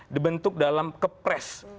dibentuk dalam kepres